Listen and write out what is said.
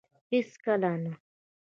هيڅ کله نه